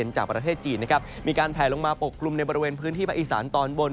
จากประเทศจีนนะครับมีการแผลลงมาปกกลุ่มในบริเวณพื้นที่ภาคอีสานตอนบน